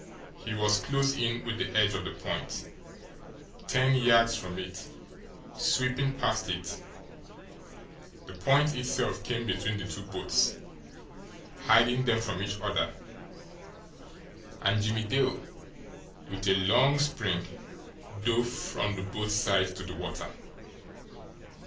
He was close in with the edge of the point, ten yards from it, sweeping past it the point itself came between the two boats, hiding them from each other and Jimmie Dale, with a long spring, dove from the boat's side to the water.